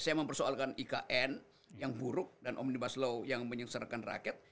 saya mempersoalkan ikn yang buruk dan omnibus law yang menyengsarakan rakyat